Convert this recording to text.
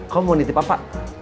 kamu mau dititip apa